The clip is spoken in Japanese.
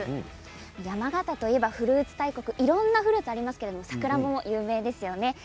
山形といえばフルーツ大国、いろんなフルーツがありますがサクランボも有名ですよね。